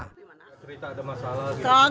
tidak ada masalah